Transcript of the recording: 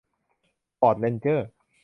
ฟอร์ดเรนเจอร์